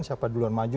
siapa duluan maju